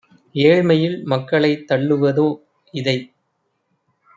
ஏழ்மையில் மக்களைத் தள்ளுவதோ? - இதை